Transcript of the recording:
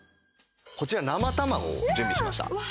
こちら生卵を準備しました。